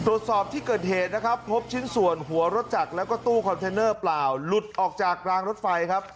ตรวจสอบที่เกิดเหตุนะครับพบชิ้นส่วนหัวรถจักรแล้วก็ตู้คอนเทนเนอร์เปล่าหลุดออกจากรางรถไฟครับ